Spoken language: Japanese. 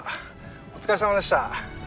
お疲れさまでした。